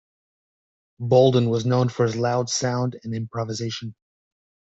Bolden was known for his loud sound and improvisation.